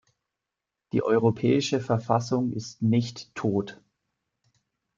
Die Europäische Verfassung ist nicht "tot".